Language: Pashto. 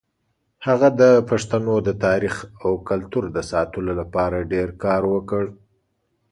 هغه د پښتنو د تاریخ او کلتور د ساتلو لپاره ډېر کار وکړ.